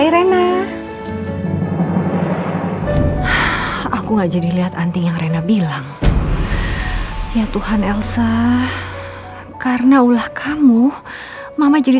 irena aku nggak jadi lihat anti yang rena bilang ya tuhan elsa karena ulah kamu mama jadi